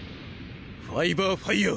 ファイバーファイヤー。